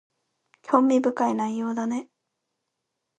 興味深い内容だね